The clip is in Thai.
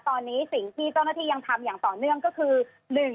ตอนนี้สิ่งที่เจ้าหน้าที่ยังทำอย่างต่อเนื่องก็คือ